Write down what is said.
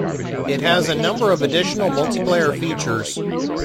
It has a number of additional multiplayer features.